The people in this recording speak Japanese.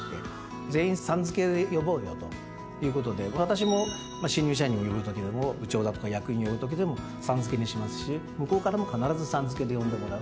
全員「さん付け」で呼ぼうよということで私も新入社員を呼ぶときでも部長だとか役員呼ぶときでも「さん付け」にしますし向こうからも必ず「さん付け」で呼んでもらう。